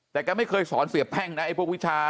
แต่แกไม่เคยสอนเสียแพ่งนะไอ้พวกวิชา